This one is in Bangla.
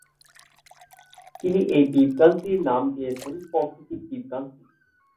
তিনি এই বিভ্রান্তির নাম দিয়েছেন প্রাকৃতিক ভ্রান্তি।